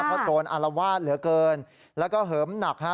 เพราะโจรอารวาสเหลือเกินแล้วก็เหิมหนักฮะ